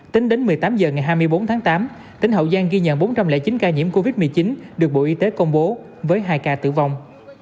tính đến một mươi tám h ngày hai mươi bốn tháng tám tỉnh hậu giang ghi nhận bốn trăm linh chín ca nhiễm covid một mươi chín được bộ y tế công bố với hai ca tử vong